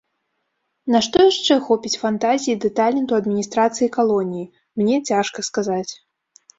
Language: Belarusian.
На што яшчэ хопіць фантазіі ды таленту адміністрацыі калоніі, мне цяжка сказаць.